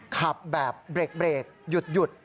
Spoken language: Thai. ขับแบบเบรกหยุด